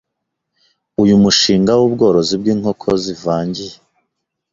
uyu mushinga w’ubworozi bw’inkoko zivangiye